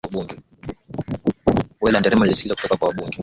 gwe na nderemo zilisikika kutoka kwa wabunge